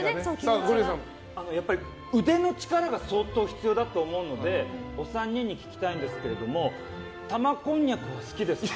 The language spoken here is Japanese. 腕の力が相当必要だと思うのでお三人に聞きたいんですけど玉こんにゃくは好きですか？